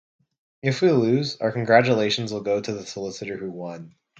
If we lose, our congratulations will go to the solicitor who won.